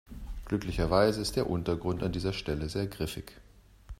Glücklicherweise ist der Untergrund an dieser Stelle sehr griffig.